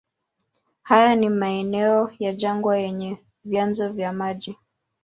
Haya ni maeneo ya jangwa yenye vyanzo vya maji.